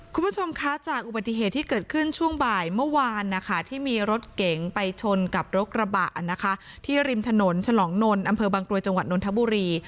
คุณผู้ชมคะจากอุบัติเหตุที่เกิดขึ้นช่วงบ่ายเมื่อวานนะคะที่มีรถเก๋งไปชนกับรถกระบะนะคะที่ริมถนนฉลองนนท์อำเภอบางกรวยจังหวัดนทบุรี